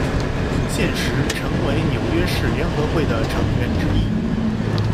现时陈为纽约市联合会的成员之一。